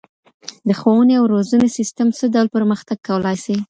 د ښوونې او روزنې سيستم څه ډول پرمختګ کولای سي؟